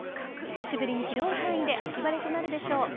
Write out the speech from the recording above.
久しぶりに広い範囲で秋晴れとなるでしょう。